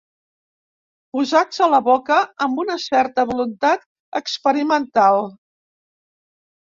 Posats a la boca amb una certa voluntat experimental.